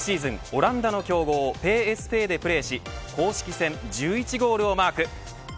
オランダの強豪ＰＳＶでプレーし公式戦１１ゴールをマーク。